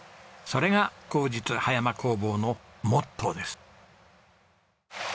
それが好日葉山工房のモットーです。